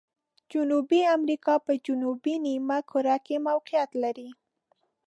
جنوبي امریکا په جنوبي نیمه کره کې موقعیت لري.